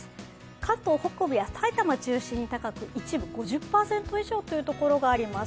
関東北部や埼玉中心に高く、一部、５０％以上という所があります